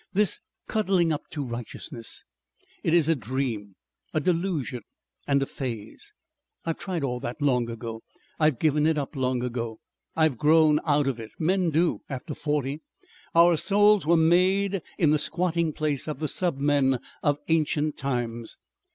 This cuddling up to Righteousness! It is a dream, a delusion and a phase. I've tried all that long ago. I've given it up long ago. I've grown out of it. Men do after forty. Our souls were made in the squatting place of the submen of ancient times.